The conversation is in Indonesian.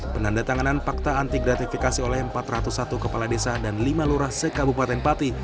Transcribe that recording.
penandatanganan fakta anti gratifikasi oleh empat ratus satu kepala desa dan lima lurah sekabupaten pati